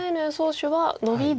手はノビです。